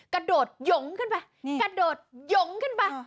กระโดดหยงขึ้นไปกระโดดหยงขึ้นไป